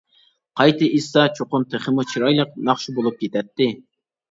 قايتا ئېيتسا چوقۇم تېخىمۇ چىرايلىق ناخشا بولۇپ كېتەتتى.